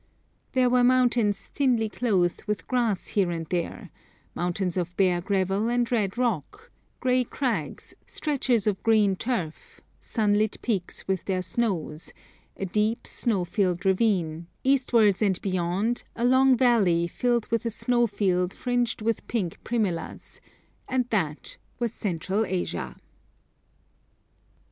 There were mountains thinly clothed with grass here and there, mountains of bare gravel and red rock, grey crags, stretches of green turf, sunlit peaks with their snows, a deep, snow filled ravine, eastwards and beyond a long valley filled with a snowfield fringed with pink primulas; and that was CENTRAL ASIA.